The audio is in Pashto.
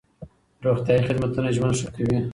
روغتيايي خدمتونه ژوند ښه کوي.